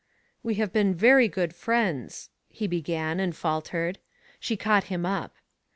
" We have been very good friends," he began, and faltered. She caught him up.